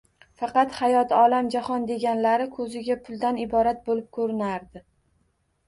Faqat, hayot, olam-jahon deganlari ko`ziga puldan iborat bo`lib ko`rinardi